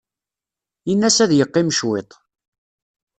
Ini-as ad yeqqim cwiṭ.